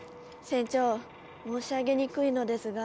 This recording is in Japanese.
船長申し上げにくいのですが。